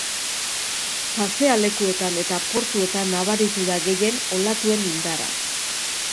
Pasealekuetan eta portuetan nabaritu da gehien olatuen indarra.